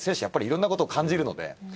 やっぱりいろんなこと感じるので。